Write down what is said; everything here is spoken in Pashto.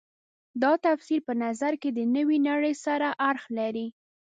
دا تفسیر په نظر کې د نوې نړۍ سره اړخ لري.